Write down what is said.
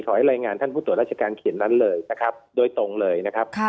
ให้รายงานท่านผู้ตรวจราชการเขียนนั้นเลยนะครับโดยตรงเลยนะครับ